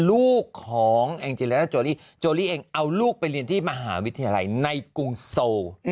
ลูกของอังเจรนาโจริโจริเองเอาลูกไปเรียนที่มหาวิทยาลัยในกรุงโซล